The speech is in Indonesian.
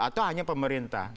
atau hanya pemerintah